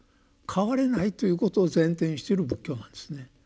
変われないということを前提にしてる仏教なんですね。